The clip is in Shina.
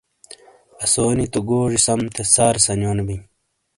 اسوئی نی تو گوجی سم تھےسارے سنیونو بیئں